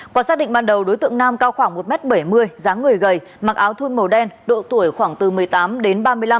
quả xác định ban đầu đối tượng nam cao khoảng một m bảy mươi r dáng người gầy mặc áo thun màu đen độ tuổi khoảng từ một mươi tám đến ba mươi năm